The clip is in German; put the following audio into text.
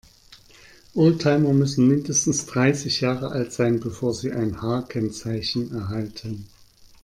Oldtimer müssen mindestens dreißig Jahre alt sein, bevor sie ein H-Kennzeichen erhalten.